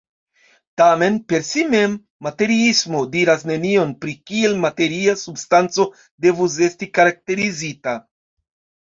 Tamen, per si mem materiismo diras nenion pri kiel materia substanco devus esti karakterizita.